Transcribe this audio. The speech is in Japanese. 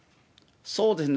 そうですね。